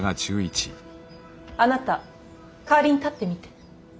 あなた代わりに立ってみて。